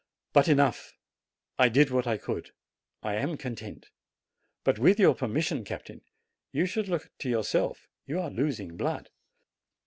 But enough! I did what I could. I am content. But, with your permission, captain, you should look to yourself : you are losing blood."